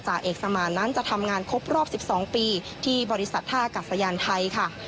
เอกสมานนั้นจะทำงานครบรอบ๑๒ปีที่บริษัทท่ากัดสยานไทยค่ะ